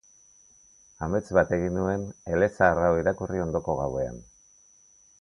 Amets bat egin nuen elezahar hau irakurri ondoko gauean.